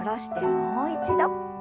もう一度。